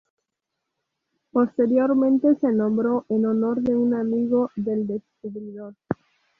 Posteriormente se nombró en honor de un amigo del descubridor.